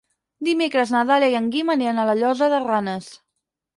Dimecres na Dàlia i en Guim aniran a la Llosa de Ranes.